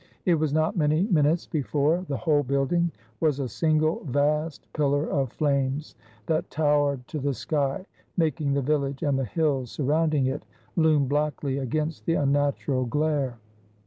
It was not many minutes be fore the whole building was a single vast pillar of flames that towered to the sky, making the village, and the hills surrounding it, loom blackly against the unnatural glare.